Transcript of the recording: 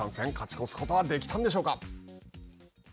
勝ち越すことはできたんでしょうか。